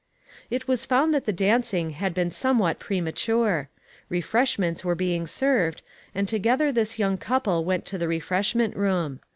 It was found that the dancing had been somewhat premature ; refreshments were being served, and together this young couple went to the refreshment room.